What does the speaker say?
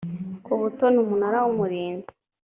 ku butoni umunara w umurinzi